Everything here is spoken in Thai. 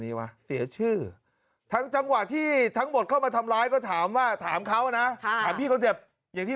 เมื่อกี้ดอมกับน้ำแขนตกใจ